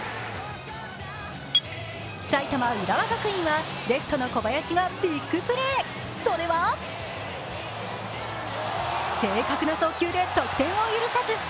埼玉・浦和学院はレフトの小林がビッグプレー、それは正確な送球で得点を許さず。